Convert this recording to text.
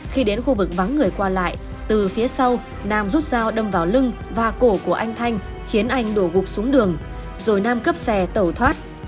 khi đến khu vực vắng người qua lại từ phía sau nam rút dao đâm vào lưng và cổ của anh thanh khiến anh đổ gục xuống đường rồi nam cướp xe tẩu thoát